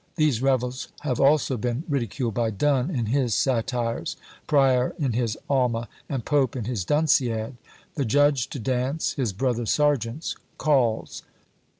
These revels have also been ridiculed by Donne in his Satires, Prior in his Alma, and Pope in his Dunciad. "The judge to dance, his brother serjeants calls."